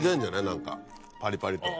何かパリパリと。